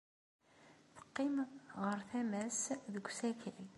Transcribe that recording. Teqqim ɣer tama-nnes deg usakal.